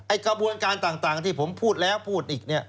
กระบวนการต่างที่ผมพูดแล้วพูดอีกเนี่ย